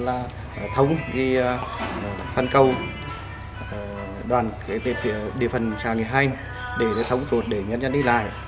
giao thông ghi phân cầu đoàn kể từ phía địa phần trang nghệ hành để đề thông thuộc để nhân dân đi lại